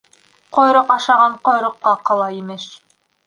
Ҡойроҡ ашаған ҡойроҡҡа ҡала, имеш.